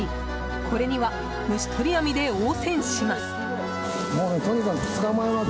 これには、虫取り網で応戦します。